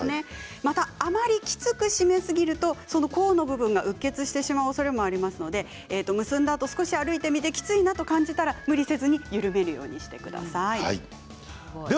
また、あまりきつく締めすぎると甲の部分が、うっ血してしまうおそれもありますので結んだあと少し歩いてみてきついなと思ったら緩めてください。